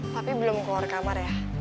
tapi belum keluar kamar ya